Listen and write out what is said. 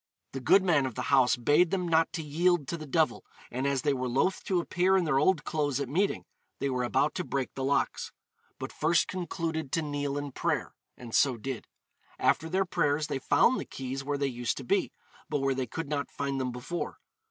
The good man of the house bade them not to yield to the devil, and as they were loth to appear in their old clothes at meeting, they were about to break the locks; but first concluded to kneel in prayer, and so did. After their prayers they found the keys where they used to be, but where they could not find them before.